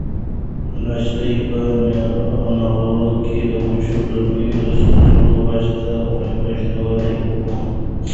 لښتې په نغري کې د وچو لرګیو د سوزېدو غږ ته غوږ نیولی و.